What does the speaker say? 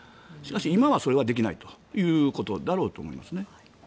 しかし今はそれはできないということだろうと思いますね。